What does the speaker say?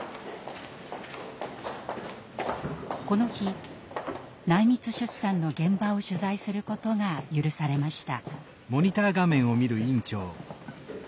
この日内密出産の現場を取材することが許されました。